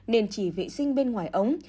nên chỉ vệ sinh bên ngoài ống